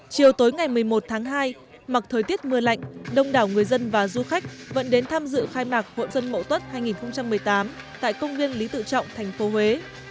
chiều tối ngày một mươi một tháng hai mặc thời tiết mưa lạnh đông đảo người dân và du khách vẫn đến tham dự khai mạc hội dân mậu tuất hai nghìn một mươi tám tại công viên lý tự trọng thành phố huế